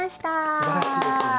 すばらしいですね。